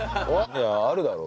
いやあるだろ。